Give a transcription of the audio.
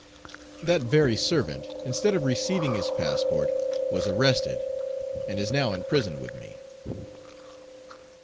That very servant, instead of receiving his passport, was arrested, and is now in prison with me.